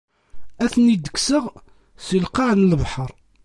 Ad ten-id-kkseɣ si lqaɛ n lebḥer.